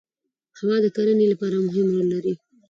هوا د کرنې لپاره مهم رول لري